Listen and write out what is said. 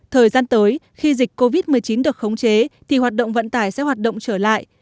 thời gian tới khi dịch covid một mươi chín được khống chế thì hoạt động vận tải sẽ hoạt động trở lại